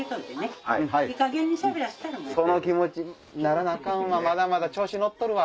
その気持ちにならなアカンわまだまだ調子乗っとるわ。